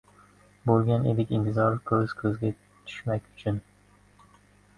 Bo‘lgan edik intizor ko‘z ko‘zga tushmak uchun